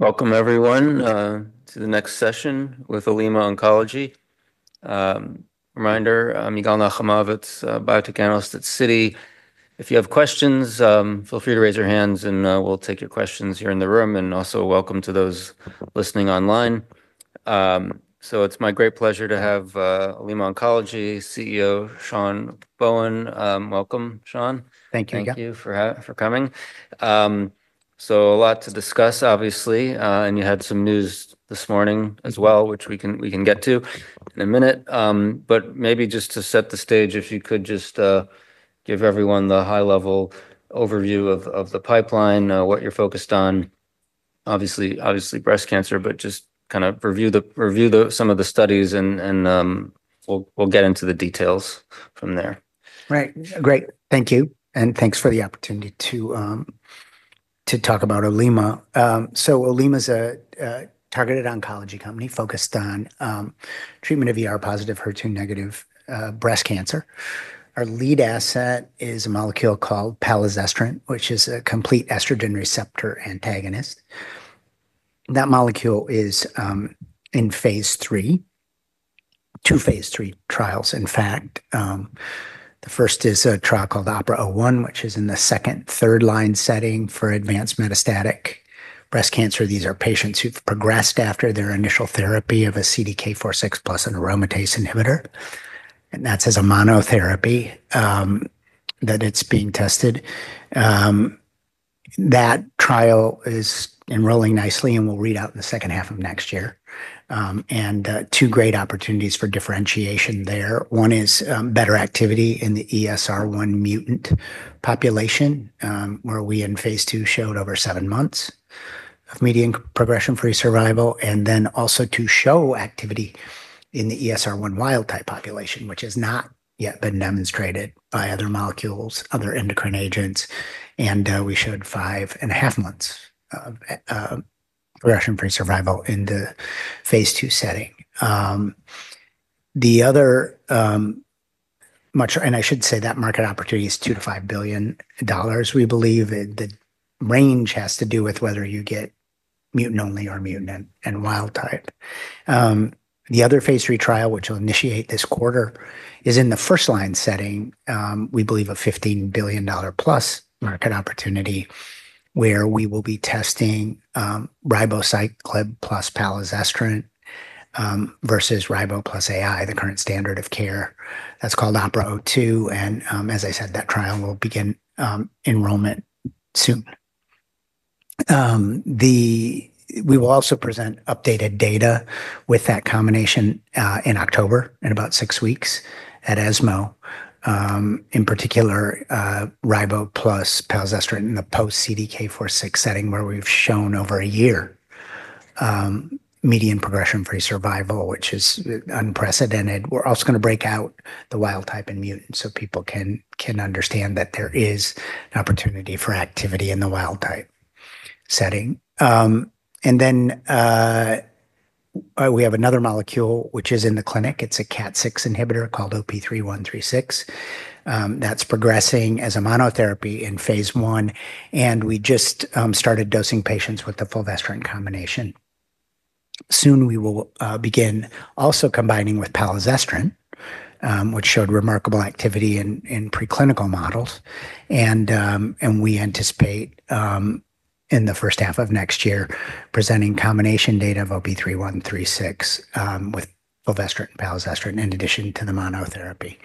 Welcome, everyone, to the next session with Olema Oncology. Reminder, I'm Yigal Nochomovitz, Biotech Analyst at Citi. If you have questions, feel free to raise your hands, and we'll take your questions here in the room. Also, welcome to those listening online. It's my great pleasure to have Olema Oncology CEO, Sean Bohen. Welcome, Sean. Thank you, Yigal. Thank you for coming. A lot to discuss, obviously, and you had some news this morning as well, which we can get to in a minute. Maybe just to set the stage, if you could just give everyone the high-level overview of the pipeline, what you're focused on. Obviously, breast cancer, but just kind of review some of the studies and we'll get into the details from there. Right. Great. Thank you. And thanks for the opportunity to talk about Olema. Olema is a targeted oncology company focused on treatment of ER-positive, HER2-negative breast cancer. Our lead asset is a molecule called palazestrant, which is a complete estrogen receptor antagonist. That molecule is in phase III, two phase III trials, in fact. The first is a trial called OPERA-01, which is in the second, third-line setting for advanced metastatic breast cancer. These are patients who've progressed after their initial therapy of a CDK4/6 plus aromatase inhibitor, and that's as a monotherapy that it's being tested. That trial is enrolling nicely and will read out in the second half of next year. Two great opportunities for differentiation there. One is better activity in the ESR1 mutant population, where we in phase II showed over seven months of median progression-free survival, and also to show activity in the ESR1 wild type population, which has not yet been demonstrated by other molecules, other endocrine agents. We showed five and a half months of progression-free survival in the phase II setting. The market opportunity is $2 billion-$5 billion, we believe. The range has to do with whether you get mutant-only or mutant and wild type. The other phase III trial, which will initiate this quarter, is in the first-line setting. We believe a $15 billion+ market opportunity where we will be testing ribociclib plus palazestrant versus ribo plus AI, the current standard of care. That's called OPERA-02. That trial will begin enrollment soon. We will also present updated data with that combination in October, in about six weeks, at ESMO, in particular, ribo plus palazestrant in the post-CDK4/6 setting, where we've shown over a year median progression-free survival, which is unprecedented. We're also going to break out the wild type and mutant so people can understand that there is an opportunity for activity in the wild type setting. We have another molecule, which is in the clinic. It's a KAT6 inhibitor called OP-3136. That's progressing as a monotherapy in phase I, and we just started dosing patients with the fulvestrant combination. Soon, we will begin also combining with palazestrant, which showed remarkable activity in preclinical models. We anticipate, in the first half of next year, presenting combination data of OP-3136 with fulvestrant and palazestrant in addition to the monotherapy.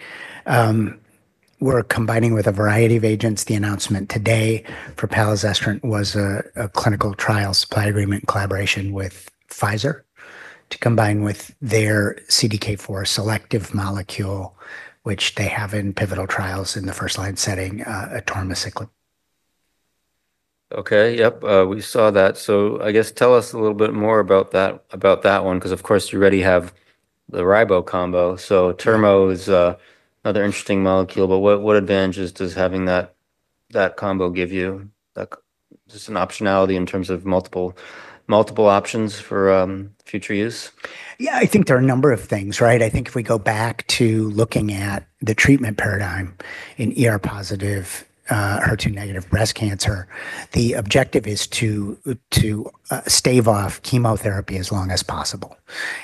We're combining with a variety of agents. The announcement today for palazestrant was a clinical trial supply agreement collaboration with Pfizer to combine with their CDK4 selective molecule, which they have in pivotal trials in the first-line setting, atirmociclib. Okay. Yep. We saw that. I guess tell us a little bit more about that one, because, of course, you already have the ribo combo. TRMO is another interesting molecule, but what advantages does having that combo give you? Just an optionality in terms of multiple options for future use? Yeah. I think there are a number of things, right? I think if we go back to looking at the treatment paradigm in ER-positive, HER2-negative breast cancer, the objective is to stave off chemotherapy as long as possible.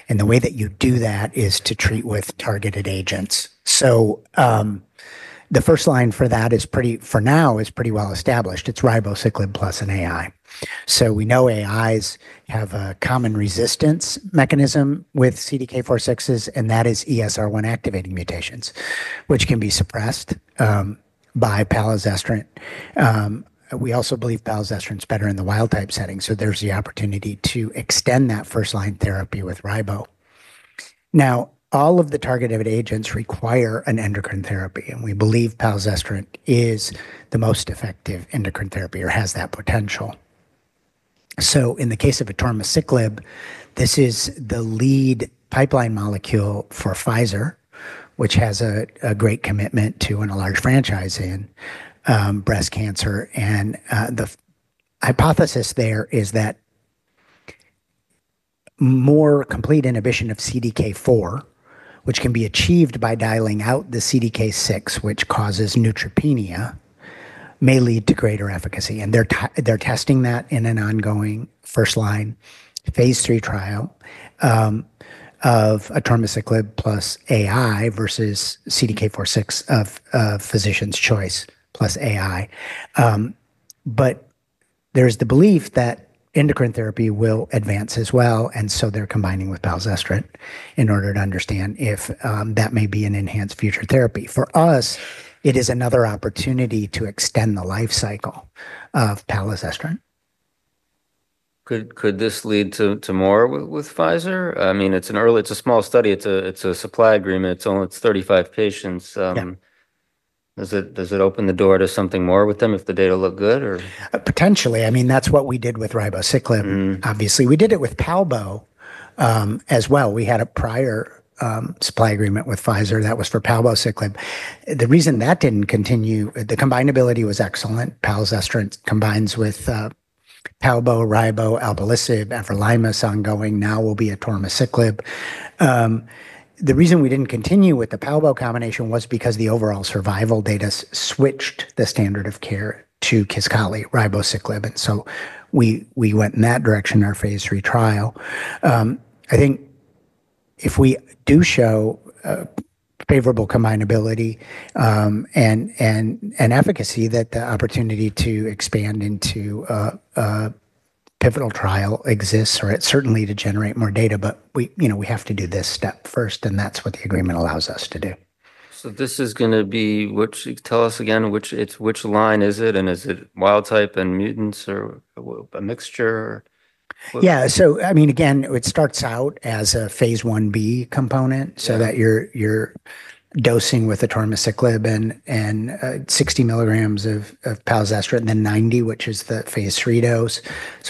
The way that you do that is to treat with targeted agents. The first line for that, for now, is pretty well established. It's ribociclib plus an AI. We know AI's have a common resistance mechanism with CDK4/6s, and that is ESR1 activating mutations, which can be suppressed by palazestrant. We also believe palazestrant is better in the wild type setting, so there's the opportunity to extend that first-line therapy with ribo. All of the targeted agents require an endocrine therapy, and we believe palazestrant is the most effective endocrine therapy or has that potential. In the case of atirmociclib, this is the lead pipeline molecule for Pfizer, which has a great commitment to and a large franchise in breast cancer. The hypothesis there is that more complete inhibition of CDK4, which can be achieved by dialing out the CDK6, which causes neutropenia, may lead to greater efficacy. They're testing that in an ongoing first-line phase III trial of atirmociclib plus AI versus CDK4/6 of physicians' choice plus AI. There is the belief that endocrine therapy will advance as well, and they're combining with palazestrant in order to understand if that may be an enhanced future therapy. For us, it is another opportunity to extend the lifecycle of palazestrant. Could this lead to more with Pfizer? I mean, it's a small study. It's a supply agreement. It's only 35 patients. Yeah. Does it open the door to something more with them if the data look good? Potentially. I mean, that's what we did with ribociclib, obviously. We did it with palbo as well. We had a prior supply agreement with Pfizer that was for palbociclib. The reason that didn't continue, the combinability was excellent. Palazestrant combines with palbo, ribo, alpelisib, everolimus ongoing. Now, we'll be atirmociclib. The reason we didn't continue with the palbo combination was because the overall survival data switched the standard of care to Kisqali ribociclib, and we went in that direction in our phase trial. I think if we do show favorable combinability and efficacy, the opportunity to expand into a pivotal trial exists, or certainly to generate more data. We have to do this step first, and that's what the agreement allows us to do. Which line is it, and is it wild type and mutants or a mixture? Yeah. I mean, again, it starts out as a phase 1B component, so that you're dosing with atirmociclib and 60 mg of palazestrant and then 90 mg, which is the phase III dose.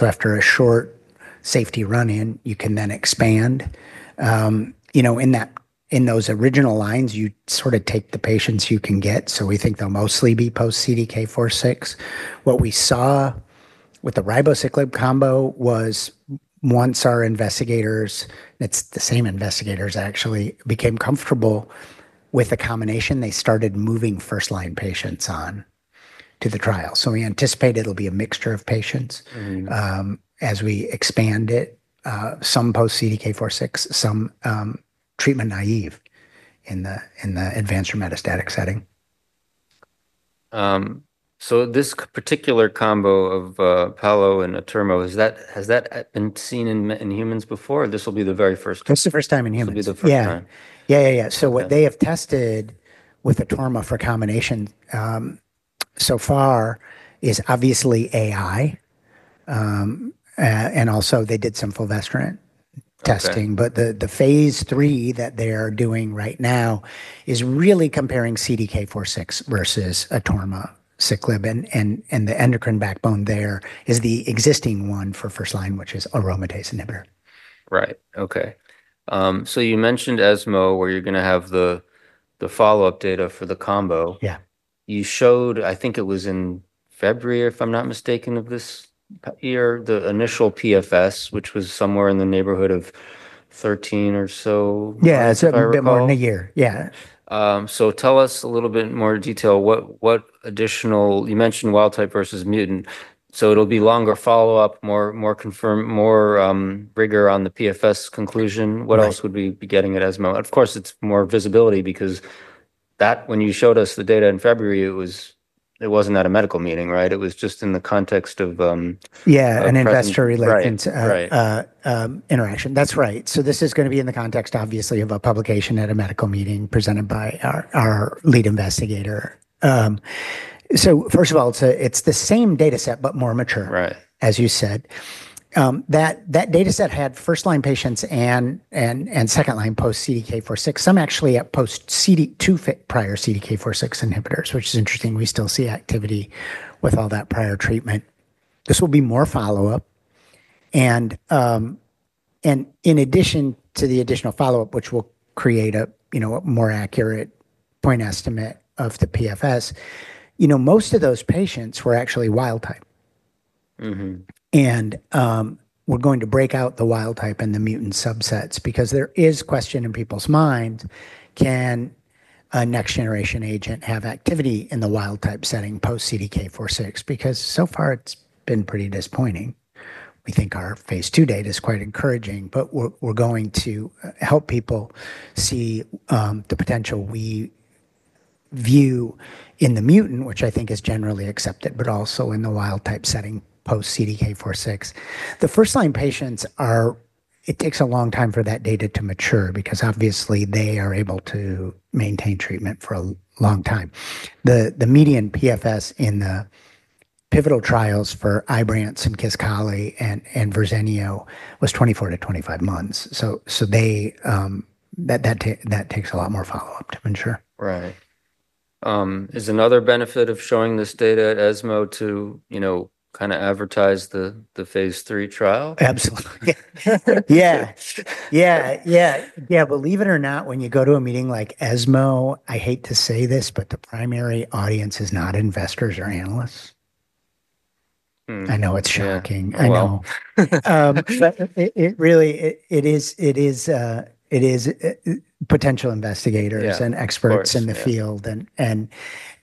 After a short safety run-in, you can then expand. In those original lines, you sort of take the patients you can get, so we think they'll mostly be post-CDK4/6. What we saw with the ribociclib combo was once our investigators, and it's the same investigators, actually became comfortable with the combination, they started moving first-line patients on to the trial. We anticipate it'll be a mixture of patients as we expand it, some post-CDK4/6, some treatment naive in the advanced or metastatic setting. Has this particular combo of palazestrant and atirmociclib been seen in humans before? This will be the very first. This is the first time in humans. This will be the first time. What they have tested with atirmo for combination so far is obviously AI, and also they did some fulvestrant testing. The phase III that they are doing right now is really comparing CDK4/6 versus atirmociclib, and the endocrine backbone there is the existing one for first-line, which is aromatase inhibitor. Right. Okay. You mentioned ESMO, where you're going to have the follow-up data for the combo. Yeah. You showed, I think it was in February, if I'm not mistaken, of this year, the initial PFS, which was somewhere in the neighborhood of 13 or so. Yeah, it's a bit more than a year. Yeah. Tell us a little bit more detail. What additional, you mentioned wild type versus mutant, so it'll be longer follow-up, more rigor on the PFS conclusion. Yeah. What else would we be getting at ESMO? Of course, it's more visibility because when you showed us the data in February, it wasn't at a medical meeting, right? It was just in the context of. Yeah, an investor. Right. That's right. This is going to be in the context, obviously, of a publication at a medical meeting presented by our lead investigator. First of all, it's the same dataset, but more mature, as you said. That dataset had first-line patients and second-line post-CDK4/6, some actually post-CDK2 fit, prior CDK4/6 inhibitors, which is interesting. We still see activity with all that prior treatment. This will be more follow-up. In addition to the additional follow-up, which will create a more accurate point estimate of the PFS, most of those patients were actually wild type. We're going to break out the wild type and the mutant subsets because there is question in people's minds, can a next-generation agent have activity in the wild type setting post-CDK4/6? Because so far, it's been pretty disappointing. We think our phase II data is quite encouraging, but we're going to help people see the potential we view in the mutant, which I think is generally accepted, but also in the wild type setting post-CDK4/6. The first-line patients, it takes a long time for that data to mature because, obviously, they are able to maintain treatment for a long time. The median PFS in the pivotal trials for Ibrance and Kisqali and Verzenio was 24 to 25 months. That takes a lot more follow-up to ensure. Right. Is another benefit of showing this data at ESMO to kind of advertise the phase III trial? Absolutely. Believe it or not, when you go to a meeting like ESMO, I hate to say this, but the primary audience is not investors or analysts. I know it's shocking. Yeah. It really is potential investigators and experts in the field.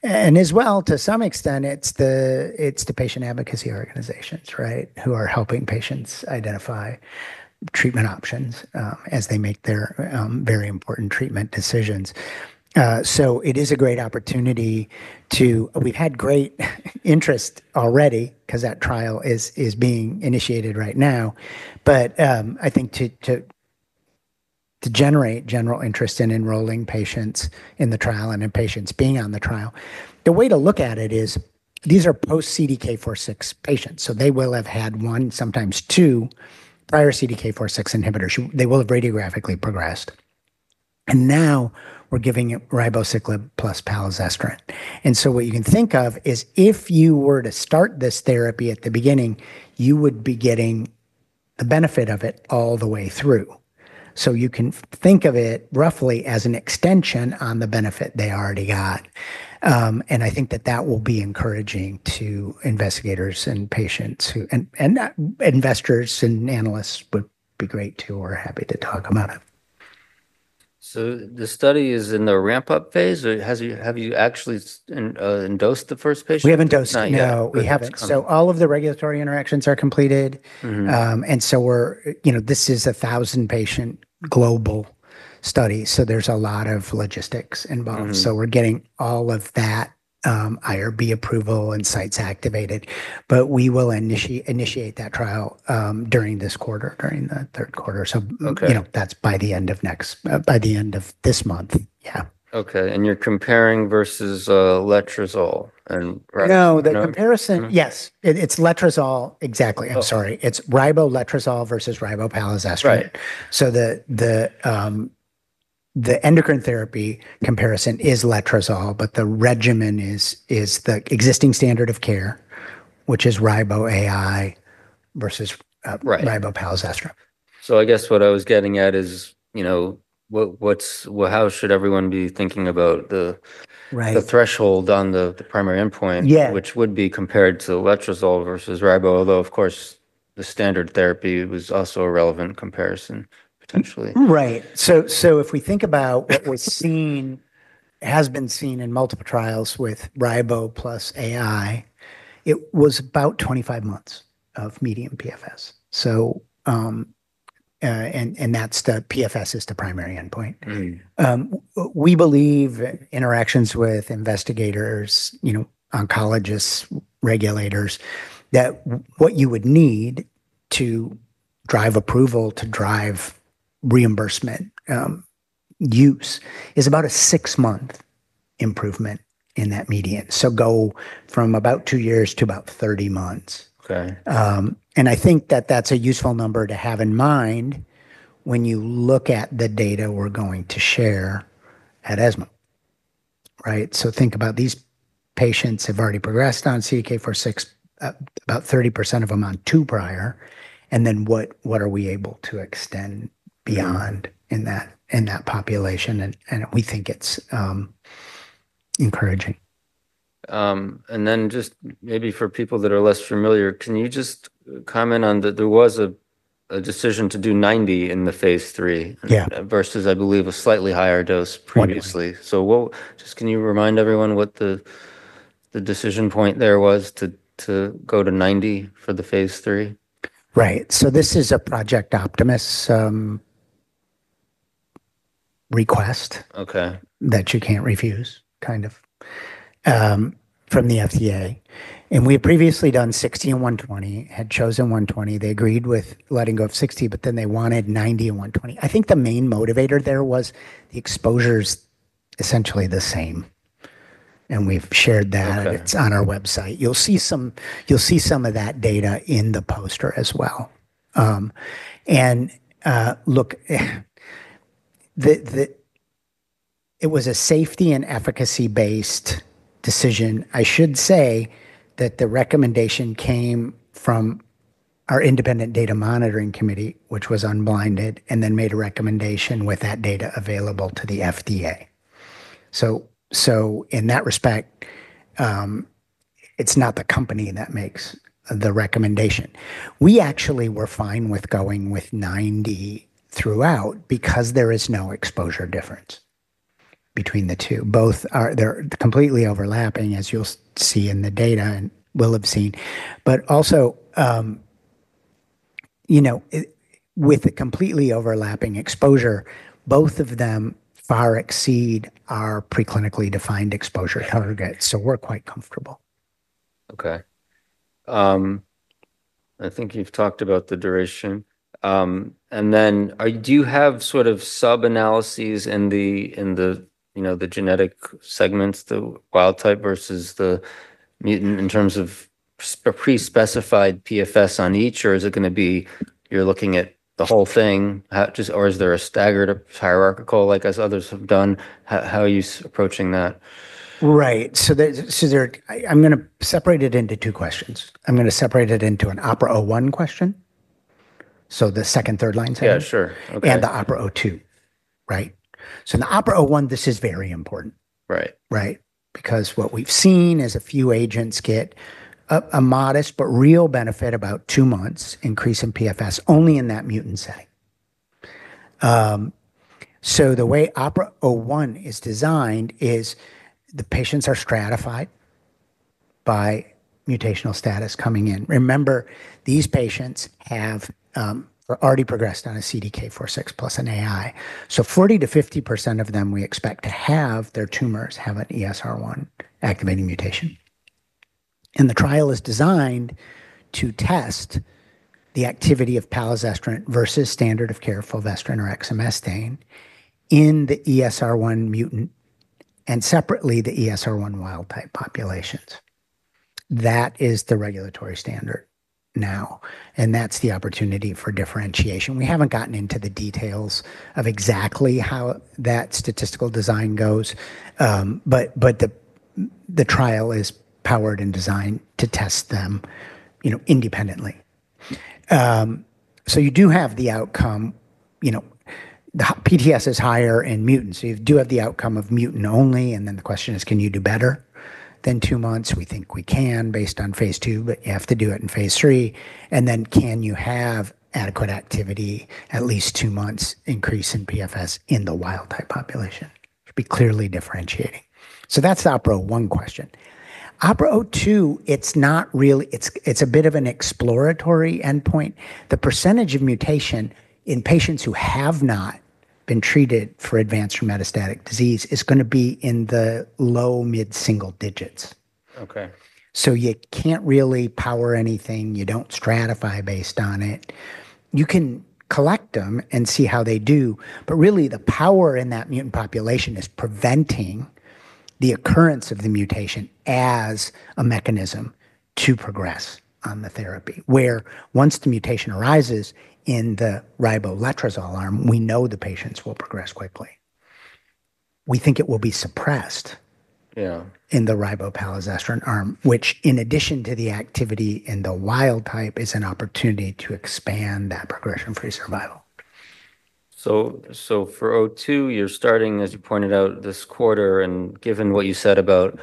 As well, to some extent, it's the patient advocacy organizations, right, who are helping patients identify treatment options as they make their very important treatment decisions. It is a great opportunity to, we've had great interest already because that trial is being initiated right now. I think to generate general interest in enrolling patients in the trial and in patients being on the trial, the way to look at it is these are post-CDK4/6 patients. They will have had one, sometimes two prior CDK4/6 inhibitors. They will have radiographically progressed. Now, we're giving it ribociclib plus palazestrant. What you can think of is if you were to start this therapy at the beginning, you would be getting the benefit of it all the way through. You can think of it roughly as an extension on the benefit they already got. I think that that will be encouraging to investigators and patients, and investors and analysts would be great too, or happy to talk about it. Is the study in the ramp-up phase, or have you actually enrolled the first patient? We haven't dosed it yet. Not yet. No, we haven't. All of the regulatory interactions are completed. This is a 1,000-patient global study, so there's a lot of logistics involved. We're getting all of that IRB approval and sites activated. We will initiate that trial during this quarter, during the third quarter. That's by the end of this month. Yeah. Okay. You're comparing versus letrozole and ribociclib. No. The comparison, yes. It's letrozole. Exactly. I'm sorry. It's ribo-letrozole versus ribo-palazestrant. Right. The endocrine therapy comparison is letrozole, but the regimen is the existing standard of care, which is ribo-AI versus ribo-palazestrant. I guess what I was getting at is, you know, how should everyone be thinking about the threshold on the primary endpoint. Yeah. Which would be compared to letrozole versus ribo, although, of course, the standard of care therapy was also a relevant comparison, potentially. Right. If we think about what we're seeing, has been seen in multiple trials with ribo plus AI, it was about 25 months of median PFS. That's the PFS as the primary endpoint. We believe, in interactions with investigators, oncologists, regulators, that what you would need to drive approval, to drive reimbursement use, is about a six-month improvement in that median. Go from about two years to about 30 months. Okay. I think that that's a useful number to have in mind when you look at the data we're going to share at ESMO. Right? Think about these patients have already progressed on CDK4/6, about 30% of them on two prior, and then what are we able to extend beyond in that population? We think it's encouraging. For people that are less familiar, can you comment on that there was a decision to do 90 mg in the phase III? Yeah. Versus, I believe, a slightly higher dose previously. Yes. Can you remind everyone what the decision point there was to go to 90 mg for the phase III? Right. This is a Project Optimus request. Okay. That you can't refuse, kind of, from the FDA. We had previously done 60 mg and 120 mg, had chosen 120 mg. They agreed with letting go of 60 mg, but they wanted 90 mg and 120 mg. I think the main motivator there was the exposure is essentially the same. We've shared that. Okay. It's on our website. You'll see some of that data in the poster as well. It was a safety and efficacy-based decision. I should say that the recommendation came from our independent data monitoring committee, which was unblinded, and then made a recommendation with that data available to the FDA. In that respect, it's not the company that makes the recommendation. We actually were fine with going with 90 mg throughout because there is no exposure difference between the two. Both are completely overlapping, as you'll see in the data and will have seen. Also, with the completely overlapping exposure, both of them far exceed our preclinically defined exposure targets, so we're quite comfortable. Okay. I think you've talked about the duration. Do you have sort of sub-analysis in the genetic segments, the wild type versus the mutant, in terms of a pre-specified PFS on each, or is it going to be you're looking at the whole thing, or is there a staggered hierarchical, like as others have done? How are you approaching that? Right. I'm going to separate it into two questions. I'm going to separate it into an OPERA-01 question, the second, third-line setting. Yeah, sure. Okay. The OPERA-02, right? In the OPERA-01, this is very important. Right. Right? Because what we've seen is a few agents get a modest but real benefit, about two months increase in PFS, only in that mutant setting. The way OPERA-01 is designed is the patients are stratified by mutational status coming in. Remember, these patients have already progressed on a CDK4/6 plus an AI. 40%-50% of them we expect to have their tumors have an ESR1 activating mutation. The trial is designed to test the activity of palazestrant versus standard of care fulvestrant or exemestane in the ESR1 mutant and separately the ESR1 wild type populations. That is the regulatory standard now, and that's the opportunity for differentiation. We haven't gotten into the details of exactly how that statistical design goes, but the trial is powered and designed to test them independently. You do have the outcome, the PFS is higher in mutants, so you do have the outcome of mutant only. The question is, can you do better than two months? We think we can based on phase II, but you have to do it in phase III. Can you have adequate activity, at least two months increase in PFS in the wild type population? It'd be clearly differentiating. That's the OPERA-01 question. OPERA-02, it's not really, it's a bit of an exploratory endpoint. The percentage of mutation in patients who have not been treated for advanced or metastatic disease is going to be in the low mid-single digits. Okay. You can't really power anything. You don't stratify based on it. You can collect them and see how they do, but really, the power in that mutant population is preventing the occurrence of the mutation as a mechanism to progress on the therapy. Once the mutation arises in the ribo letrozole arm, we know the patients will progress quickly. We think it will be suppressed. Yeah. In the ribo palazestrant arm, which in addition to the activity in the wild type is an opportunity to expand that progression-free survival. For 02, you're starting, as you pointed out, this quarter. Given what you said about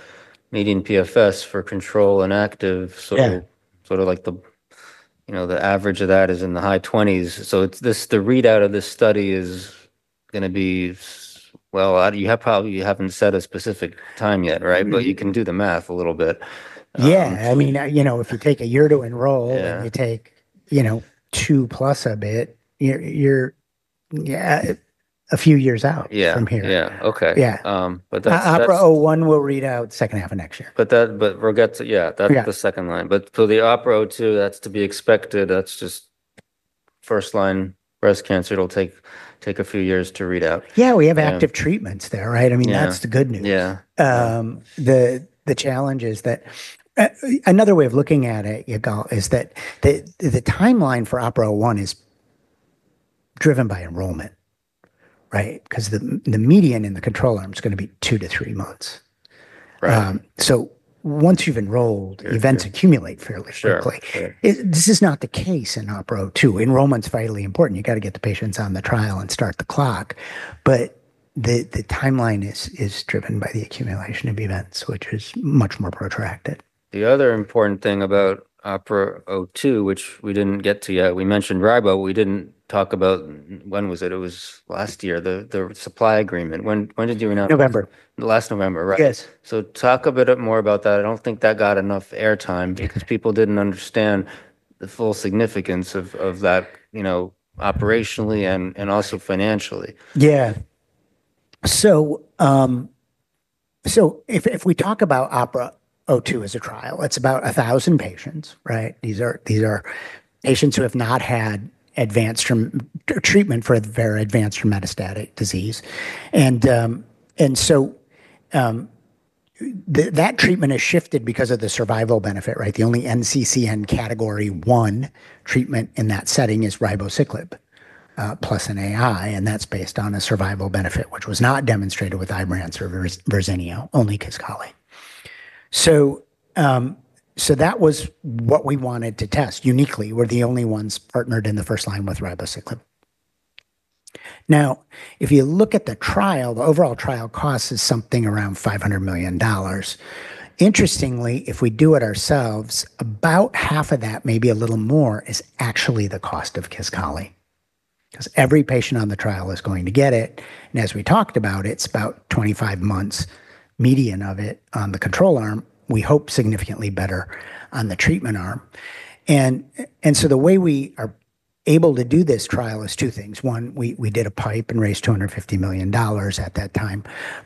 median PFS for control and active, sort of like the average of that is in the high 20s. The readout of this study is going to be, you haven't set a specific time yet, right? Yeah. You can do the math a little bit. Yeah, I mean, if you take a year to enroll and you take two plus a bit, you're a few years out from here. Yeah, yeah. Okay. Yeah. But that's. OPERA-01 will read out second half of next year. Yeah, that's the second line. Yeah. For the OPERA-02, that's to be expected. That's just first-line breast cancer. It'll take a few years to read out. Yeah, we have active treatments there, right? Yeah. I mean, that's the good news. Yeah. The challenge is that another way of looking at it, Yigal, is that the timeline for OPERA-01 is driven by enrollment, right? Because the median in the control arm is going to be two to three months. Right. Once you've enrolled, events accumulate fairly quickly. Sure. This is not the case in OPERA-02. Enrollment's vitally important. You got to get the patients on the trial and start the clock. The timeline is driven by the accumulation of events, which is much more protracted. The other important thing about OPERA-02, which we didn't get to yet, we mentioned ribo. We didn't talk about, when was it? It was last year, the supply agreement. When did you announce it? November. Last November, right? Yes. Talk a bit more about that. I don't think that got enough air time because people didn't understand the full significance of that, you know, operationally and also financially. Yeah. If we talk about OPERA-02 as a trial, it's about 1,000 patients, right? These are patients who have not had advanced treatment for their advanced or metastatic disease. That treatment has shifted because of the survival benefit, right? The only NCCN category 1 treatment in that setting is ribociclib plus an AI, and that's based on a survival benefit, which was not demonstrated with Ibrance or Verzenio, only Kisqali. That was what we wanted to test. Uniquely, we're the only ones partnered in the first line with ribociclib. If you look at the trial, the overall trial cost is something around $500 million. Interestingly, if we do it ourselves, about half of that, maybe a little more, is actually the cost of Kisqali because every patient on the trial is going to get it. As we talked about, it's about 25 months median of it on the control arm. We hope significantly better on the treatment arm. The way we are able to do this trial is two things. One, we did a PIPE and raised $250 million at that time.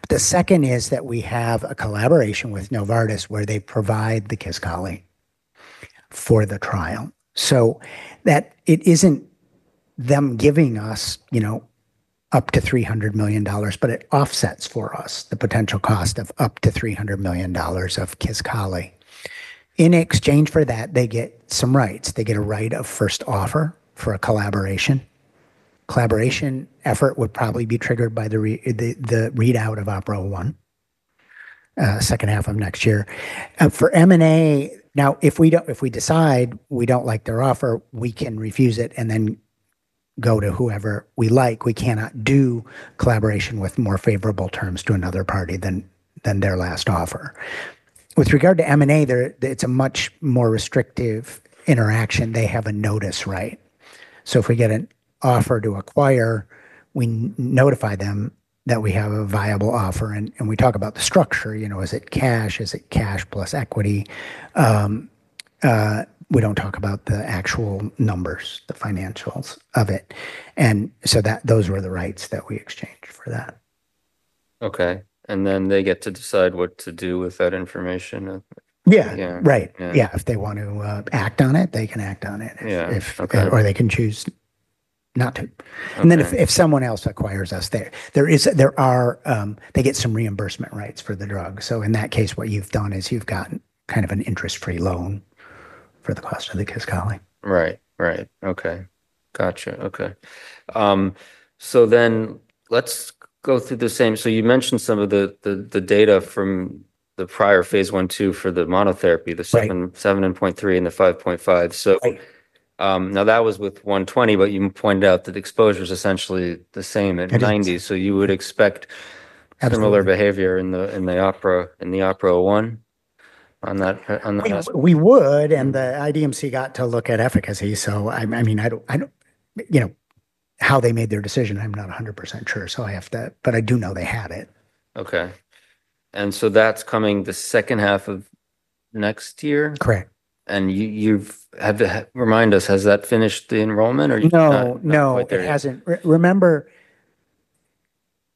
The second is that we have a collaboration with Novartis, where they provide the Kisqali for the trial. It isn't them giving us, you know, up to $300 million, but it offsets for us the potential cost of up to $300 million of Kisqali. In exchange for that, they get some rights. They get a right of first offer for a collaboration. Collaboration effort would probably be triggered by the readout of OPERA-01 second half of next year. For M&A, if we decide we don't like their offer, we can refuse it and then go to whoever we like. We cannot do collaboration with more favorable terms to another party than their last offer. With regard to M&A, it's a much more restrictive interaction. They have a notice right. If we get an offer to acquire, we notify them that we have a viable offer, and we talk about the structure. You know, is it cash? Is it cash plus equity? We don't talk about the actual numbers, the financials of it. Those were the rights that we exchanged for that. Okay, they get to decide what to do with that information. Yeah. Yeah. Right. Yeah, if they want to act on it, they can act on it. Yeah. They can choose not to. If someone else acquires us, they get some reimbursement rights for the drug. In that case, what you've done is you've gotten kind of an interest-free loan for the cost of the Kisqali. Right. Okay. Gotcha. Okay. You mentioned some of the data from the prior phase I, II for the monotherapy, the 7.3 and the 5.5. Right. Now, that was with 120, but you pointed out that the exposure is essentially the same at 90 mg. Exactly. Would you expect similar behavior in the OPERA-01 on that? We would, and the IDMC got to look at efficacy. I mean, I don't know how they made their decision, I'm not 100% sure. I do know they had it. Okay, that's coming the second half of next year? Correct. Remind us, has that finished the enrollment or you're still. No, no. Right there. Hasn't. Remember,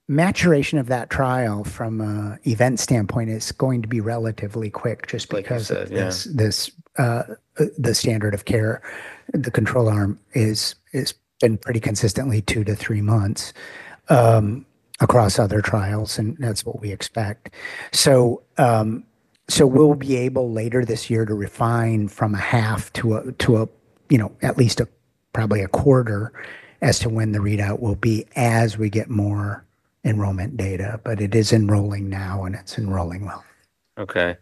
maturation of that trial from an event standpoint is going to be relatively quick just because. Like I said, yeah. The standard of care, the control arm, has been pretty consistently two to three months across other trials, and that's what we expect. We will be able later this year to refine from a half to a, you know, at least probably a quarter as to when the readout will be as we get more enrollment data. It is enrolling now, and it's enrolling well. Okay.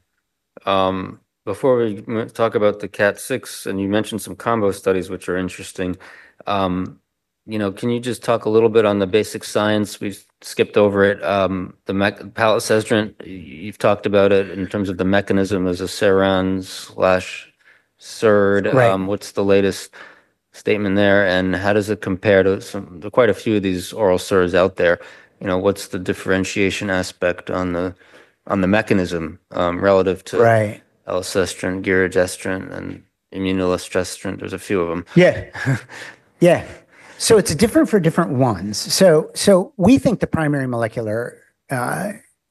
Before we talk about the KAT6, and you mentioned some combo studies, which are interesting, can you just talk a little bit on the basic science? We've skipped over it. The palazestrant, you've talked about it in terms of the mechanism as a SERON/SERD. Right. What's the latest statement there, and how does it compare to quite a few of these oral SERDs out there? What's the differentiation aspect on the mechanism relative to? Right. Palazestrant, giredestrant, and imlunestrant. There's a few of them. Yeah. Yeah. It's different for different ones. We think the primary molecular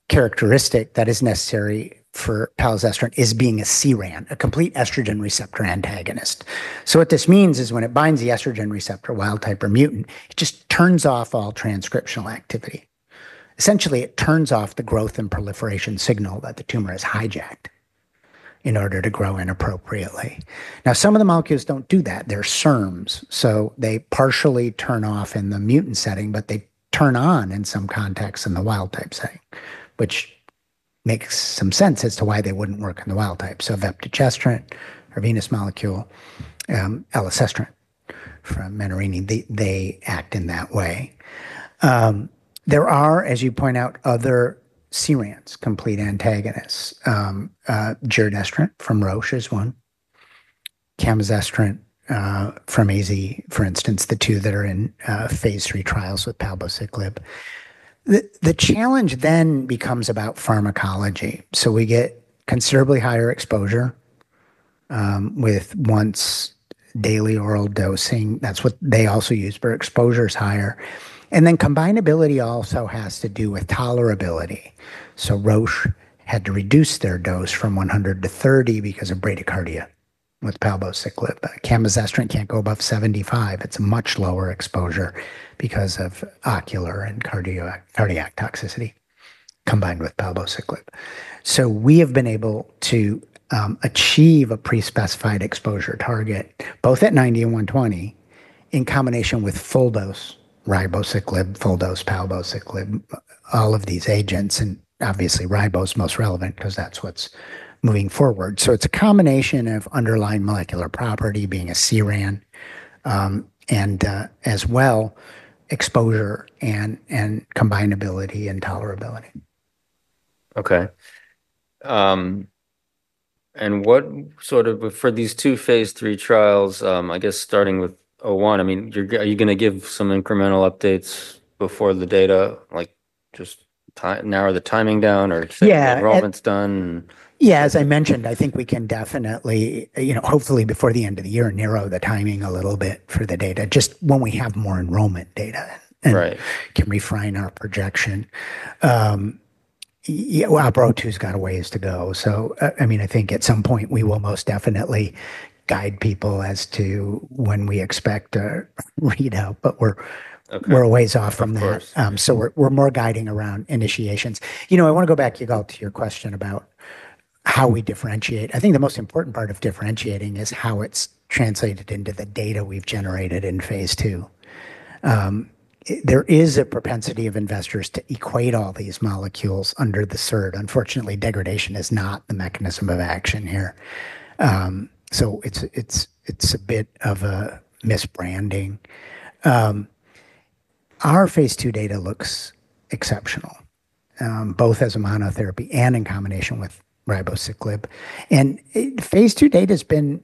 characteristic that is necessary for palazestrant is being a CERAN, a complete estrogen receptor antagonist. What this means is when it binds the estrogen receptor, wild type or mutant, it just turns off all transcriptional activity. Essentially, it turns off the growth and proliferation signal that the tumor has hijacked in order to grow inappropriately. Some of the molecules don't do that. They're SERMs, so they partially turn off in the mutant setting, but they turn on in some context in the wild type setting, which makes some sense as to why they wouldn't work in the wild type. Vepdegestrant, our venous molecule, palazestrant from Olema, they act in that way. There are, as you point out, other CERANs, complete antagonists. Giredestrant from Roche is one. Camizestrant from AZ, for instance, the two that are in phase III trials with palbociclib. The challenge then becomes about pharmacology. We get considerably higher exposure with once daily oral dosing. That's what they also use for exposures higher. Combinability also has to do with tolerability. Roche had to reduce their dose from 100 mg to 30 mg because of bradycardia with palbociclib. Camizestrant can't go above 75 mg. It's a much lower exposure because of ocular and cardiac toxicity combined with palbociclib. We have been able to achieve a pre-specified exposure target both at 90 mg and 120 mg in combination with full dose ribociclib, full dose palbociclib, all of these agents, and obviously ribociclib is most relevant because that's what's moving forward. It's a combination of underlying molecular property being a CERAN as well as exposure and combinability and tolerability. Okay. What sort of, for these two phase III trials, I guess starting with 01, are you going to give some incremental updates before the data, like just narrow the timing down or get enrollments done? As I mentioned, I think we can definitely, you know, hopefully before the end of the year, narrow the timing a little bit for the data, just when we have more enrollment data. Right. OPERA-02's got a ways to go. I think at some point we will most definitely guide people as to when we expect a readout, but we're a ways off from there. Of course. We're more guiding around initiations. I want to go back, Yigal, to your question about how we differentiate. I think the most important part of differentiating is how it's translated into the data we've generated in phase II. There is a propensity of investors to equate all these molecules under the SERD. Unfortunately, degradation is not the mechanism of action here. It's a bit of a misbranding. Our phase II data looks exceptional, both as a monotherapy and in combination with ribociclib. Phase II data's been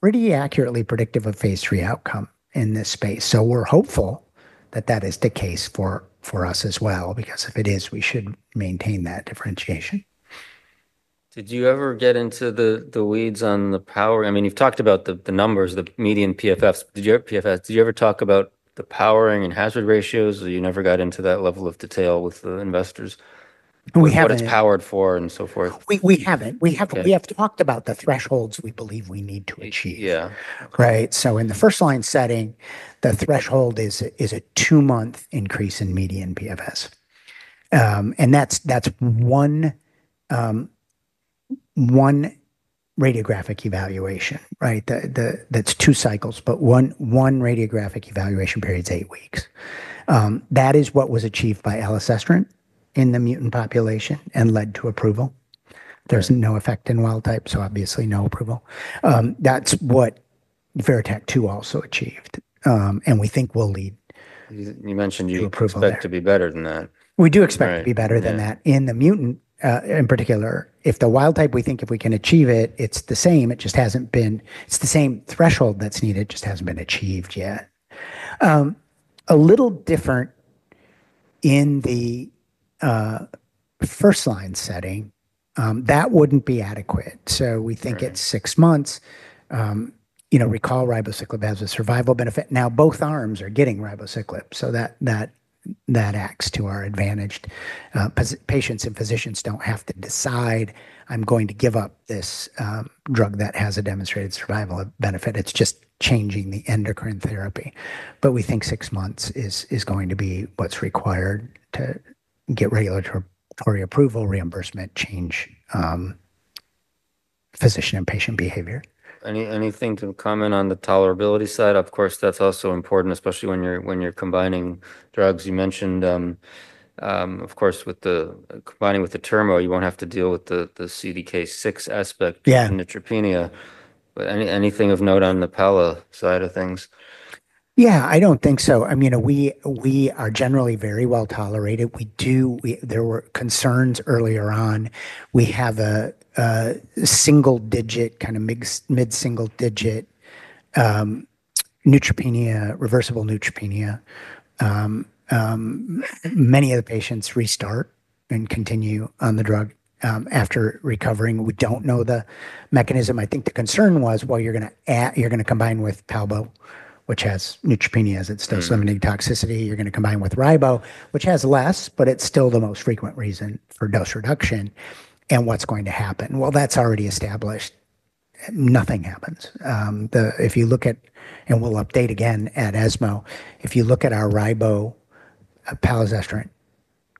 pretty accurately predictive of phase III outcome in this space. We're hopeful that that is the case for us as well, because if it is, we should maintain that differentiation. Did you ever get into the weeds on the power? I mean, you've talked about the numbers, the median PFS, the GILBERT PFS. Did you ever talk about the powering and hazard ratios? You never got into that level of detail with the investors. We haven't. What it's powered for, and so forth. We have talked about the thresholds we believe we need to achieve. Yeah. In the first-line setting, the threshold is a two-month increase in median PFS. That's one radiographic evaluation, right? That's two cycles, but one radiographic evaluation period is eight weeks. That is what was achieved by elacestrant in the mutant population and led to approval. There's no effect in wild type, so obviously no approval. That's what Veritac-2 also achieved, and we think will lead. You mentioned you expect to be better than that. We do expect to be better than that. Right. In the mutant in particular. If the wild type, we think if we can achieve it, it's the same. It just hasn't been, it's the same threshold that's needed, it just hasn't been achieved yet. A little different in the first-line setting, that wouldn't be adequate. We think it's six months. You know, recall ribociclib has a survival benefit. Now, both arms are getting ribociclib, so that acts to our advantage. Patients and physicians don't have to decide, "I'm going to give up this drug that has a demonstrated survival benefit." It's just changing the endocrine therapy. We think six months is going to be what's required to get regulatory approval, reimbursement, change physician and patient behavior. Anything to comment on the tolerability side? Of course, that's also important, especially when you're combining drugs. You mentioned, of course, with the combining with atirmo, you won't have to deal with the CDK6 aspect. Yeah. Neutropenia. Anything of note on the palbo side of things? Yeah. I don't think so. I mean, we are generally very well tolerated. There were concerns earlier on. We have a single-digit, kind of mid-single-digit neutropenia, reversible neutropenia. Many of the patients restart and continue on the drug after recovering. We don't know the mechanism. I think the concern was, you're going to combine with palbo, which has neutropenia as its dose-limiting toxicity. You're going to combine with ribo, which has less, but it's still the most frequent reason for dose reduction. What's going to happen? That's already established. Nothing happens. If you look at, and we'll update again at ESMO, if you look at our ribo, palazestrant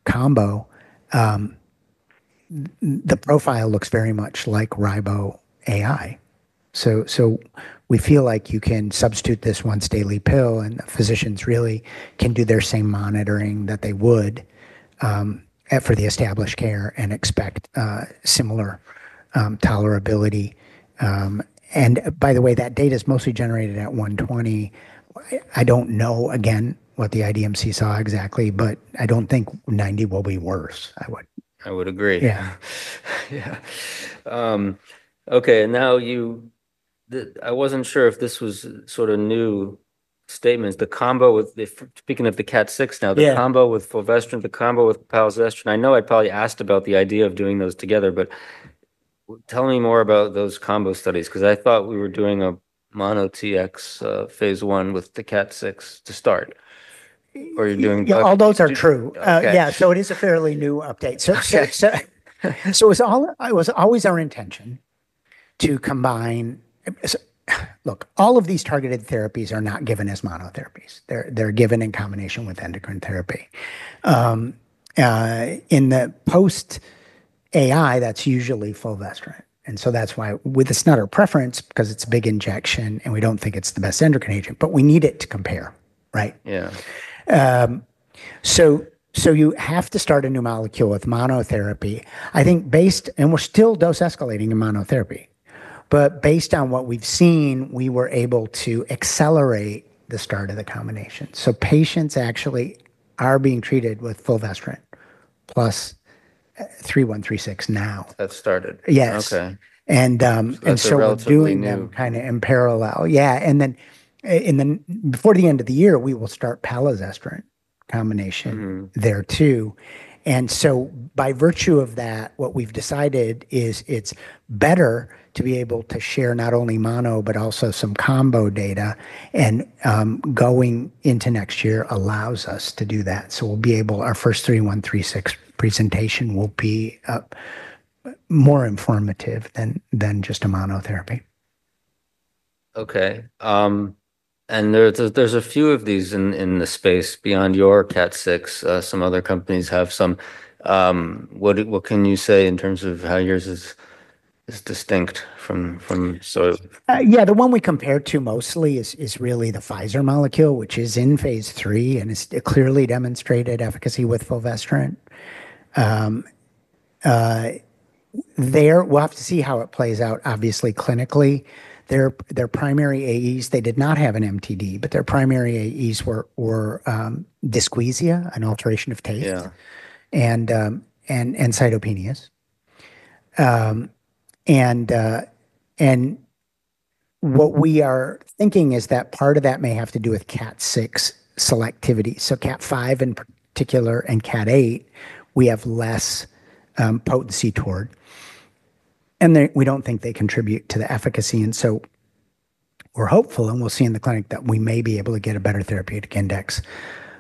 combo, the profile looks very much like ribo AI. We feel like you can substitute this once-daily pill, and physicians really can do their same monitoring that they would for the established care and expect similar tolerability. By the way, that data's mostly generated at 120. I don't know, again, what the IDMC saw exactly, but I don't think 90 mg will be worse. I would agree. Yeah. Yeah. Okay. I wasn't sure if this was sort of new statements. The combo with, speaking of the KAT6 now, the combo with fulvestrant, the combo with palazestrant. I know I probably asked about the idea of doing those together, but tell me more about those combo studies because I thought we were doing a mono TX phase I with the KAT6 to start. Yeah. You're doing both. All those are true. Yeah. Yeah. It is a fairly new update. It was always our intention to combine. Look, all of these targeted therapies are not given as monotherapies. They're given in combination with endocrine therapy. In the post-AI, that's usually fulvestrant. That's why with a slight preference because it's a big injection and we don't think it's the best endocrine agent, but we need it to compare, right? Yeah. You have to start a new molecule with monotherapy. I think, and we're still dose escalating in monotherapy, but based on what we've seen, we were able to accelerate the start of the combination. Patients actually are being treated with fulvestrant plus OP-3136 now. That's started. Yes. Okay. We'll do kind of in parallel. That's really new. Yeah. Before the end of the year, we will start palazestrant combination there too. By virtue of that, what we've decided is it's better to be able to share not only mono, but also some combo data. Going into next year allows us to do that. We'll be able, our first OP-3136 presentation will be more informative than just a monotherapy. Okay. There are a few of these in the space beyond your KAT6. Some other companies have some. What can you say in terms of how yours is distinct from? Yeah. The one we compare to mostly is really the Pfizer molecule, which is in phase III and has clearly demonstrated efficacy with fulvestrant. We'll have to see how it plays out, obviously, clinically. Their primary AEs, they did not have an MTD, but their primary AEs were dysgeusia, an alteration of taste. Yeah. Cytopenias. What we are thinking is that part of that may have to do with KAT6 selectivity. KAT5 in particular and KAT8, we have less potency toward. We don't think they contribute to the efficacy. We're hopeful, and we'll see in the clinic, that we may be able to get a better therapeutic index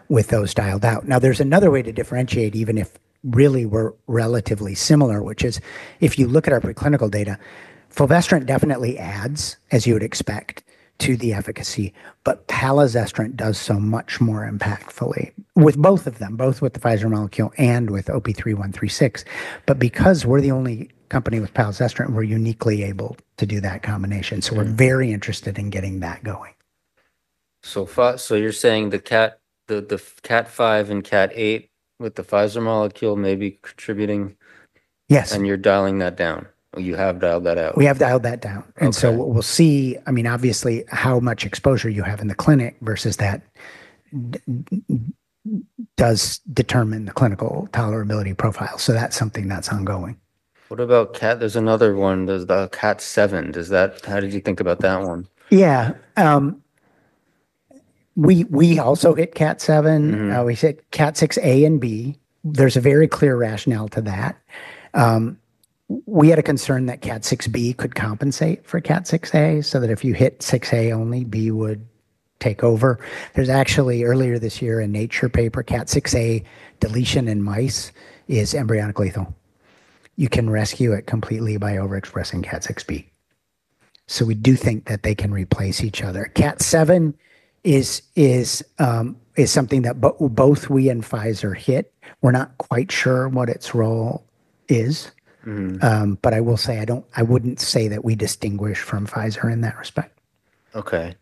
with those dialed out. There is another way to differentiate, even if really we're relatively similar, which is if you look at our preclinical data, fulvestrant definitely adds, as you would expect, to the efficacy, but palazestrant does so much more impactfully with both of them, both with the Pfizer molecule and with OP-3136. Because we're the only company with palazestrant, we're uniquely able to do that combination. We're very interested in getting that going. You're saying the KAT5 and KAT8 with the Pfizer molecule may be contributing. Yes. You have dialed that down. You have dialed that out. We have dialed that down. Okay. We'll see, obviously, how much exposure you have in the clinic versus that does determine the clinical tolerability profile. That's something that's ongoing. What about OP-3136? There's another one. There's the OP-3136. How did you think about that one? Yeah. We also hit KAT7. We hit KAT6A and KAT6B. There's a very clear rationale to that. We had a concern that KAT6B could compensate for KAT6A, so that if you hit 6A only, 6B would take over. There's actually, earlier this year, a Nature paper, KAT6A deletion in mice is embryonic lethal. You can rescue it completely by overexpressing KAT6B. We do think that they can replace each other. KAT7 is something that both we and Pfizer hit. We're not quite sure what its role is, but I will say I wouldn't say that we distinguish from Pfizer in that respect. Okay.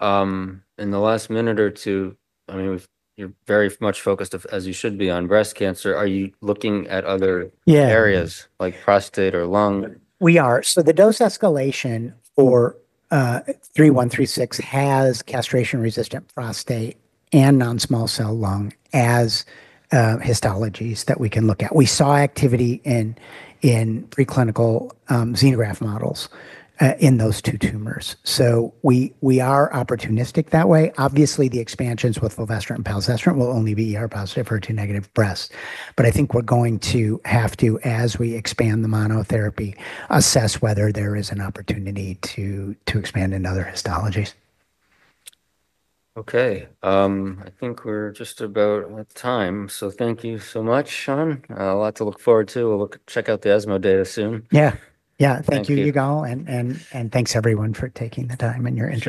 In the last minute or two, I mean, you're very much focused, as you should be, on breast cancer. Are you looking at other areas like prostate or lung? We are. The dose escalation for OP-3136 has castration-resistant prostate and non-small cell lung as histologies that we can look at. We saw activity in preclinical xenograft models in those two tumors. We are opportunistic that way. Obviously, the expansions with fulvestrant and palazestrant will only be positive, HER2-negative breast. I think we're going to have to, as we expand the monotherapy, assess whether there is an opportunity to expand in other histologies. Okay. I think we're just about at time. Thank you so much, Sean. A lot to look forward to. We'll check out the ESMO data soon. Yeah. Yeah. Thank you, Yigal, and thanks everyone for taking the time and your interest.